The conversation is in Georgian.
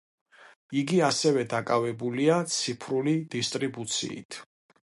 იგი ასევე დაკავებულია ციფრული დისტრიბუციით.